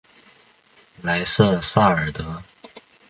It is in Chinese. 莱瑟萨尔德。